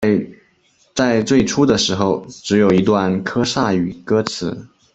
在最初的时候只有一段科萨语歌词。